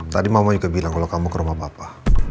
tadi mama juga bilang kalau kamu ke rumah bapak